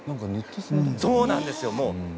そうなんですよ。